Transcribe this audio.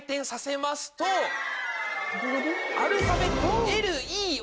アルファベット「ＬＥＯ」。